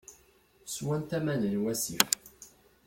Swant aman n wasif.